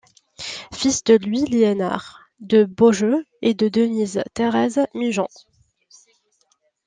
Fils de Louis Liénard de Beaujeu et de Denise-Thérèse Migeon.